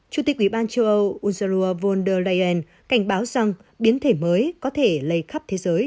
chủ tịch ủy ban châu âu uzeru von der leyen cảnh báo rằng biến thể mới có thể lây khắp thế giới